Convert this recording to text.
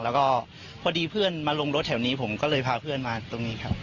แล้วก็พอดีเพื่อนมาลงรถแถวนี้ผมก็เลยพาเพื่อนมาตรงนี้ครับ